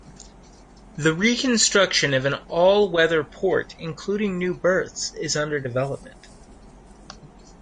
The reconstruction of an all weather port including new berths is under development.